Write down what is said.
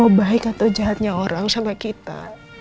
mau baik atau jahatnya orang sama kita